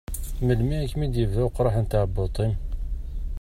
Melmi i kem-id-yebda uqraḥ n tɛebbuḍt-im?